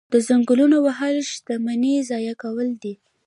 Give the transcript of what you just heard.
د ځنګلونو وهل شتمني ضایع کول دي.